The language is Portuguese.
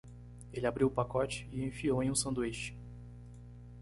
Ele abriu o pacote? e enfiou em um sanduíche.